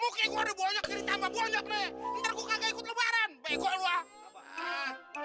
mungkin gue ada banyak jadi tambah banyak nih